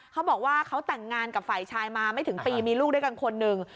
เขาบอกว่าเขาแต่งงานกับฝ่ายชายมาไม่ถึงปีมีลูกด้วยกันคนหนึ่ง